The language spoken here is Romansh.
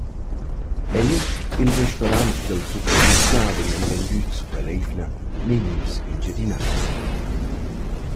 Eir i’l restorant dal supermarchà vegnan vendüts quell’eivna menüs engiadinais.